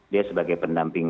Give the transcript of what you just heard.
dia sebagai pendamping